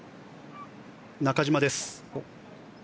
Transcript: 中島です。